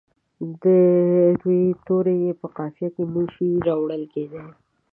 د روي توري یې په قافیه کې نه شي راوړل کیدلای.